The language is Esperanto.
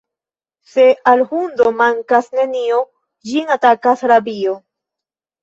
Se al hundo mankas nenio, ĝin atakas rabio.